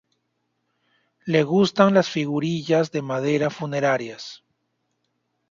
Le gustan las figurillas de madera funerarias.